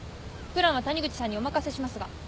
プランは谷口さんにお任せしますが。